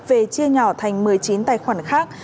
về chia nhỏ thành một mươi chín tài khoản khác